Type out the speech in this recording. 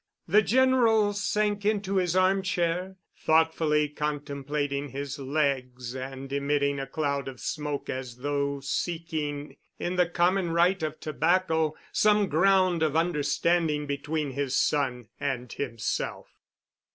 The General sank into his armchair, thoughtfully contemplating his legs and emitting a cloud of smoke as though seeking in the common rite of tobacco some ground of understanding between his son and himself.